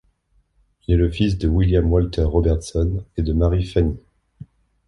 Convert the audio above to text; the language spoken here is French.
Il est le fils de William Walter Robertson et de Mary Fannie.